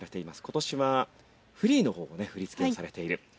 今年はフリーの方のね振り付けをされている。